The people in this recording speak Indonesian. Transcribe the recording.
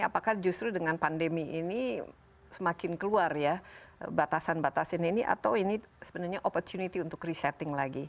apakah justru dengan pandemi ini semakin keluar ya batasan batasan ini atau ini sebenarnya opportunity untuk resetting lagi